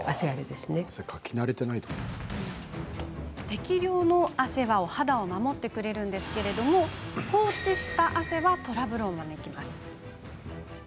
適量の汗はお肌を守ってくれるのですが放置した汗はトラブルを招きます。